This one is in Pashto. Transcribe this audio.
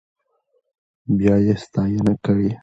بيا يې ستاينه کړې.